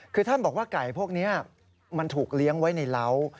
คือท่านบอกว่าไก่พวกนี้มันถูกเลี้ยงไว้ในเหล้า